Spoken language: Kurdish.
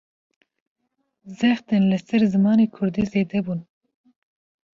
Zextên li ser zimanê Kurdî, zêde bûn